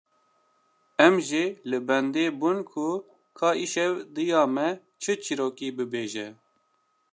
Em jî li bendê bûn ku ka îşev diya me çi çîrokê bibêje